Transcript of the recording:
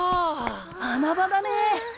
穴場だね！